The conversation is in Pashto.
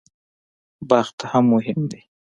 بخت هم مهم دی.